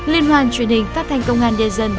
liên hoan truyền hình phát thanh công an đen dân